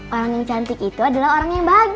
orang yang cantik itu adalah orang yang bahagia